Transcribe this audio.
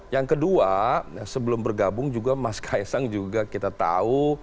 yang kedua sebelum bergabung juga mas kaisang juga kita tahu